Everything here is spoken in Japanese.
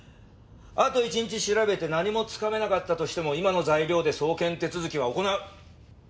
あと１日調べて何もつかめなかったとしても今の材料で送検手続きは行う。